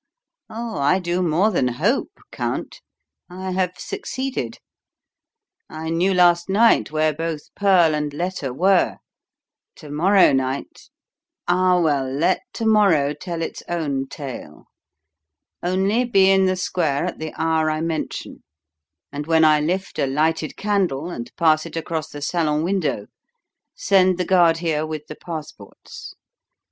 "Oh, I do more than 'hope,' Count I have succeeded. I knew last night where both pearl and letter were. To morrow night ah, well, let to morrow tell its own tale. Only be in the square at the hour I mention, and when I lift a lighted candle and pass it across the salon window, send the guard here with the passports.